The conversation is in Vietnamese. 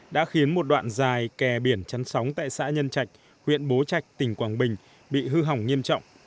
đã khiến một đoạn dài kè biển chăn sóng tại xã nhân trạch huyện bố trạch tỉnh quảng bình bị hư hỏng nghiêm trọng